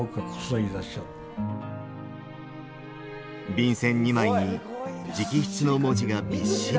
便箋２枚に直筆の文字がびっしり。